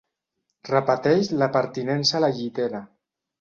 Repeteix la pertinença a la llitera.